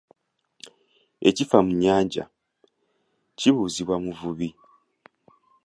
Ekifa mu nnyanja, kibuuzibwa muvubi.